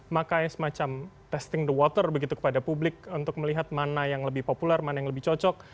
makanya semacam testing the water begitu kepada publik untuk melihat mana yang lebih populer mana yang lebih cocok